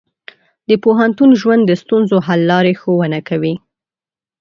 د پوهنتون ژوند د ستونزو حل لارې ښوونه کوي.